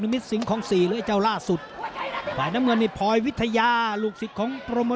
ยกที่๔แล้วนะครับ